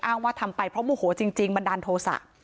ว่าทำไปเพราะโมโหจริงบันดาลโทษะ